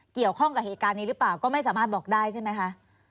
เกี่ยวข้องกับเหตุการณ์นี้หรือเปล่าก็ไม่สามารถบอกได้ใช่ไหมคะ